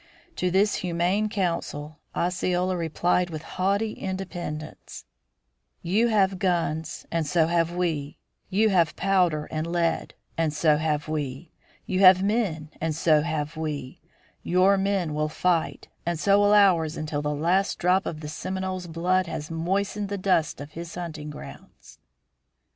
To this humane counsel Osceola replied with haughty independence: "You have guns, and so have we; you have powder and lead, and so have we; you have men, and so have we; your men will fight, and so will ours until the last drop of the Seminoles' blood has moistened the dust of his hunting grounds."